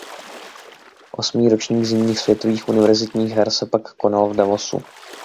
Osmý ročník zimních světových univerzitních her se pak konal v Davosu.